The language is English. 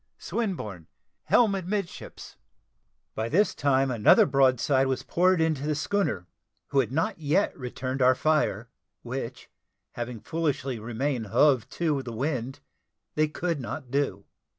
Swinburne, helm a midships." By this time another broadside was poured into the schooner, who had not yet returned our fire, which, having foolishly remained hove to the wind, they could not do.